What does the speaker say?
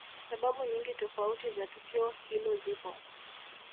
Sababu nyingi tofauti za tukio hilo zipo